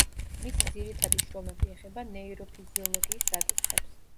მისი ძირითადი შრომები ეხება ნეიროფიზიოლოგიის საკითხებს.